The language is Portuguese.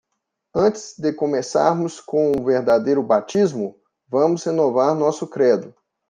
Antes de começarmos com o verdadeiro batismo?, vamos renovar nosso credo.